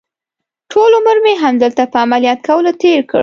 ټول عمر مې همدلته په عملیات کولو تېر کړ.